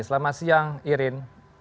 selamat siang irin